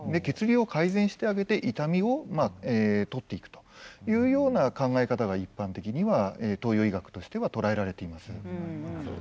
血流を改善してあげて痛みを取っていくというような考え方が一般的には東洋医学としては捉えられています。